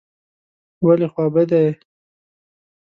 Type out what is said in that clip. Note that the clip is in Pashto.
ولي خوابدی یې ؟